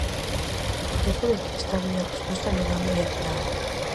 Paréceme que esta miña resposta non é moi atinada.